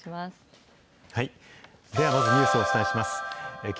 ではまずニュースをお伝えします。